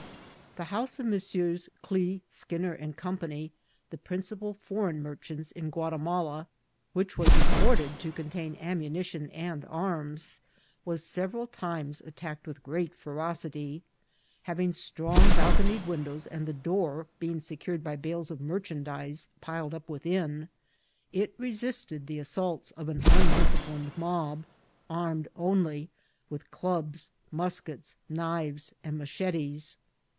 The house of Messrs. Klee, Skinner, & Co., the principal foreign merchants in Guatimala, which was reported to contain ammunition and arms, was several times attacked with great ferocity ; having strong bat" eonied windows, and the door being secured by bales of merchandise piled up within, it resisted the assaults of an undisciplined mob, armed only with clubs, mus kets, knives, and machetes.